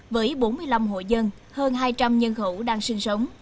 với bốn mươi năm hội dân hơn hai trăm linh nhân khẩu đang sinh sống